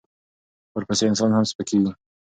ورپسې انسان هم سپکېږي.